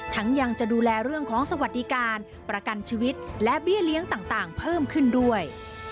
ยังจะดูแลเรื่องของสวัสดิการประกันชีวิตและเบี้ยเลี้ยงต่างเพิ่มขึ้นด้วย